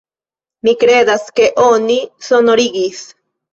Mi kredas ke oni sonorigis.